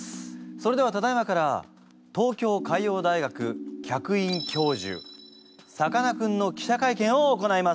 それではただいまから東京海洋大学客員教授さかなクンの記者会見を行います！